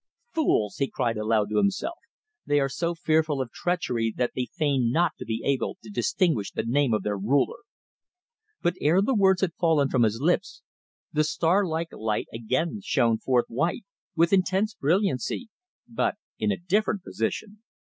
"Fools!" he cried aloud to himself. "They are so fearful of treachery that they feign not to be able to distinguish the name of their ruler." But ere the words had fallen from his lips the star like light again shone forth white, with intense brilliancy, but in a different position.